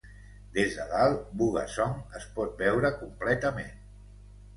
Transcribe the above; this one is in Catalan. Des de dalt, Bugasong es pot veure completament.